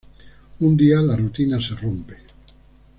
Un día la rutina se rompe.